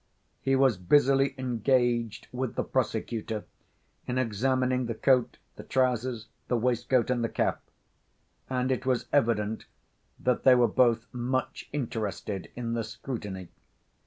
He was busily engaged with the prosecutor in examining the coat, the trousers, the waistcoat and the cap; and it was evident that they were both much interested in the scrutiny.